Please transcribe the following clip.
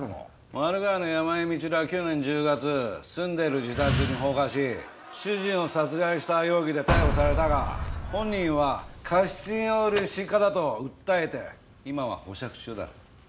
マル害の山井満留は去年１０月住んでいる自宅に放火し主人を殺害した容疑で逮捕されたが本人は過失による失火だと訴えて今は保釈中だ。